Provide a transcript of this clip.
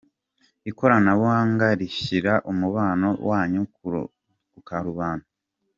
Ikoranabuhanga rishyira umubano wanyu ku karubanda.